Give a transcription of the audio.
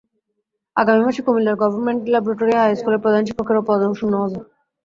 আগামী মাসে কুমিল্লার গভর্নমেন্ট ল্যাবরেটরি হাই স্কুলের প্রধান শিক্ষকের পদও শূন্য হবে।